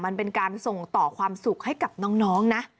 มันเป็นการส่งต่อความสุขให้กับน้องนะ